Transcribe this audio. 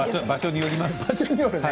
場所によります。